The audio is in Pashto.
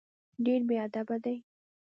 ډېر بېادبه دی.